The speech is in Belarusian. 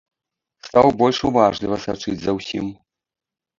Стаў больш уважліва сачыць за ўсім.